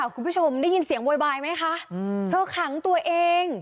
กูไม่ไปไหน